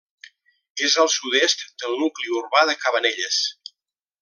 És al sud-est del nucli urbà de Cabanelles.